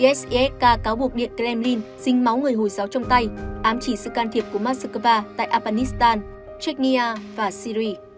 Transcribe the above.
isis k cáo buộc điện kremlin xinh máu người hồi giáo trong tay ám chỉ sự can thiệp của moskva tại afghanistan chechnya và syria